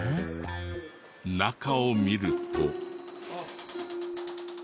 中を見ると。